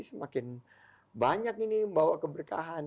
semakin banyak ini membawa keberkahan